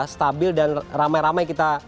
stabil dan ramai ramai kita